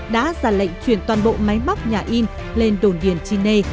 đã ra lệnh chuyển toàn bộ máy móc nhà in lên đồn điền chi nê